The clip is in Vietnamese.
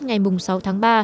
ngày sáu tháng ba